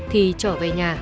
thì trở về nhà